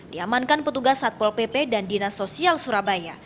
diamankan petugas satpol pp dan dinas sosial surabaya